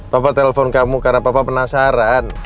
bapak telepon kamu karena papa penasaran